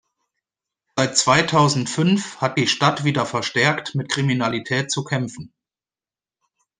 Seit zweitausendfünf hat die Stadt wieder verstärkt mit Kriminalität zu kämpfen.